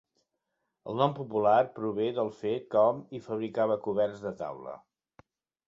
El nom popular prové del fet que hom hi fabricava coberts de taula.